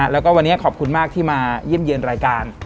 แล้วก็วันนี้ขอบคุณมากที่มาเยี่ยมเยือนรายการ